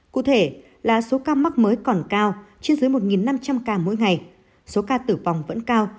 cụ thể là số ca mắc mới còn cao trên dưới một năm trăm linh ca mỗi ngày số ca tử vong vẫn cao